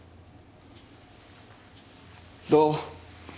どう？